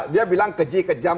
dia bilang kejam